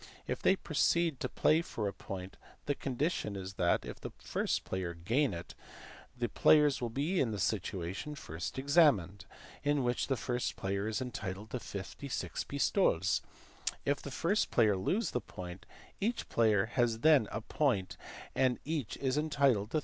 If they proceed to play for a point, the condition is that, if the first player gain it, the players will be in the situation first examined, in which the first player is entitled to 56 pistoles ; if the first player lose the point, each player has then a point, and each is entitled to 32 pistoles.